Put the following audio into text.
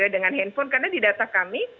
dengan handphone karena di data kami